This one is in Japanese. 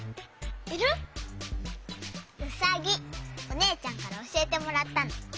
おねえちゃんからおしえてもらったの。